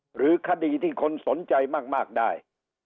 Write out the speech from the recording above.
หรือคดีที่คนสนใจมากได้